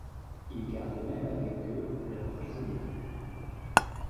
Ils gardent même avec eux leurs prisonniers.